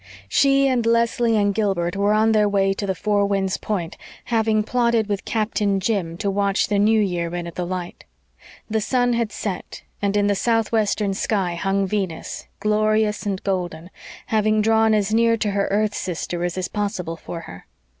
She and Leslie and Gilbert were on their way to the Four Winds Point, having plotted with Captain Jim to watch the New Year in at the light. The sun had set and in the southwestern sky hung Venus, glorious and golden, having drawn as near to her earth sister as is possible for her.